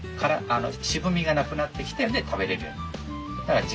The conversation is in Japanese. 渋みがなくなってきてで食べれるようになる。